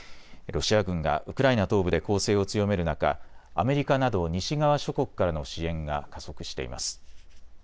ロシア軍がウクライナ東部で攻勢を強める中、アメリカなど西側諸国からの支援が加速しています。